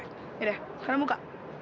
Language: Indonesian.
yaudah sekarang buka